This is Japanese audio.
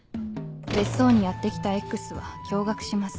別荘にやって来たＸは驚愕します。